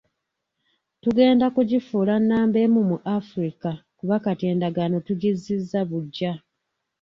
Tugenda kugifuula nnamba emu mu Africa kuba kati endagaano tugizzizza buggya.